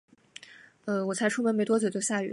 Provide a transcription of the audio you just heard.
呃，我才出门没多久，就下雨了